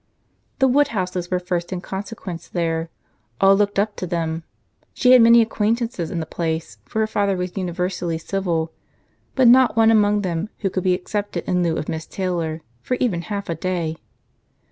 The Woodhouses were first in consequence there. All looked up to them. She had many acquaintance in the place, for her father was universally civil, but not one among them who could be accepted in lieu of Miss Taylor for even half a day.